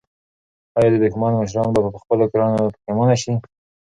آیا د دښمن مشران به په خپلو کړنو پښېمانه شي؟